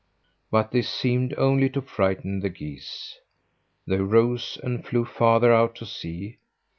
But this seemed only to frighten the geese. They rose and flew farther out to sea.